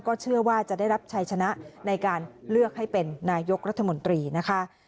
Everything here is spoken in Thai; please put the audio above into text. เชื่อว่าจะได้รับชัยชนะในการเลือกให้เป็นนายกรัฐมนตรีนะคะ